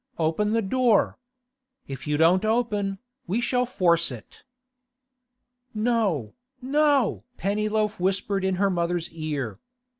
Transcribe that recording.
Open the door. If you don't open, we shall force it.' 'No—no!' Pennyloaf whispered in her mother's ear.